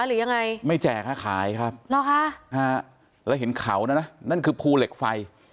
หรือยังไงไม่แจกค่ะขายครับแล้วเห็นเขานะนะนั่นคือภูเหล็กไฟ